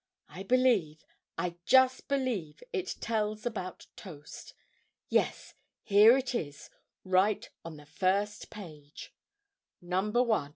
I believe I just believe it tells about toast. Yes, here it is, right on the first page: NO.